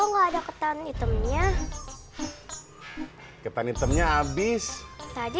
gak apa pak ji